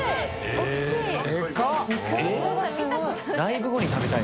大きい